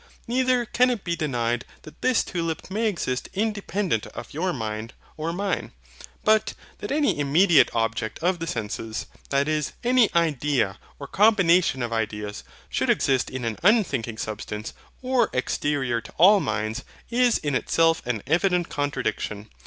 Neither can it be denied that this tulip may exist independent of your mind or mine; but, that any immediate object of the senses, that is, any idea, or combination of ideas should exist in an unthinking substance, or exterior to ALL minds, is in itself an evident contradiction.